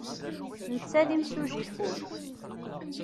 Netta d imsuji n wul.